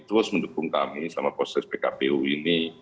terus mendukung kami selama proses pkpu ini